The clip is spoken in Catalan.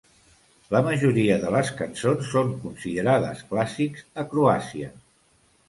La majoria de les cançons són considerades clàssics a Croàcia.